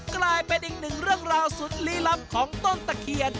กลายเป็นอีกหนึ่งเรื่องราวสุดลี้ลับของต้นตะเคียน